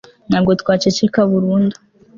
ntabwo twaceceka burundu